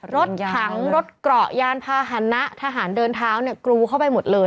รถถังรถเกราะยานพาหนะทหารเดินเท้าเนี่ยกรูเข้าไปหมดเลย